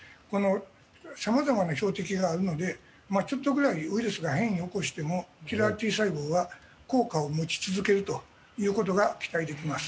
さまざまな標的があるのでちょっとぐらいウイルスが変異を起こしてもキラーＴ細胞は効果を持ち続けるということが期待できます。